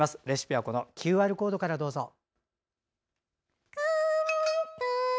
レシピはＱＲコードからどうぞ。